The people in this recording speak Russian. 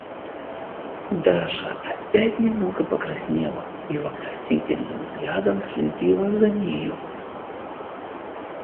Даша опять немного покраснела и вопросительным взглядом следила за нею.